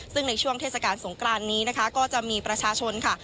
ซึ่งในช่วงเทศกาลสงกรานนี้นะคะก็จะมีประชาชนค่ะ